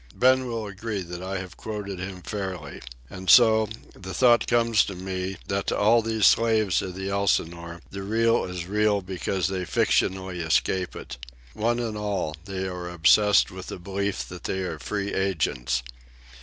Ben will agree that I have quoted him fairly. And so, the thought comes to me, that to all these slaves of the Elsinore the Real is real because they fictionally escape it. One and all they are obsessed with the belief that they are free agents.